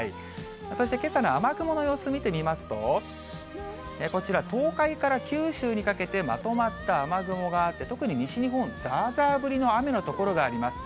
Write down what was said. そしてけさの雨雲の様子見てみますと、こちら、東海から九州にかけてまとまった雨雲があって、特に西日本、ざーざー降りの雨の所があります。